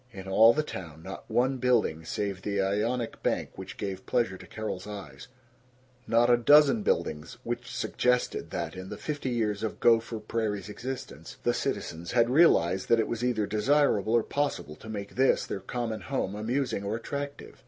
In all the town not one building save the Ionic bank which gave pleasure to Carol's eyes; not a dozen buildings which suggested that, in the fifty years of Gopher Prairie's existence, the citizens had realized that it was either desirable or possible to make this, their common home, amusing or attractive.